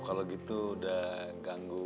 kalau gitu udah ganggu